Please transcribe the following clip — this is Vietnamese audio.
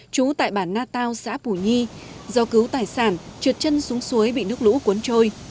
trú tại bản nga tau xã bùi nhi do cứu tài sản trượt chân xuống suối bị nước lũ cuốn trôi